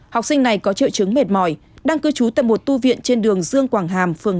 học sinh này có triệu chứng mệt mỏi đang cư trú tại một tu viện trên đường dương quảng hàm phường tám